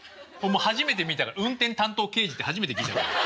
初めて見たら運転担当刑事って初めて聞いたわ。